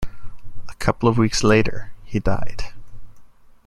A couple of weeks later, he died.